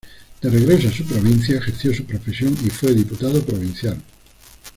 De regreso a su provincia, ejerció su profesión y fue diputado provincial.